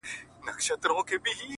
شور به ګډ په شالمار سي د زلمیو!